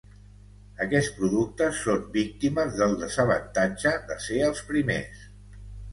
Aquests productes són víctimes dels desavantatges de ser els primers.